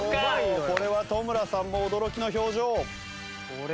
これは戸村さんも驚きの表情。